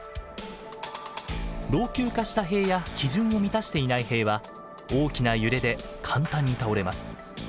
老朽化した塀や基準を満たしていない塀は大きな揺れで簡単に倒れます。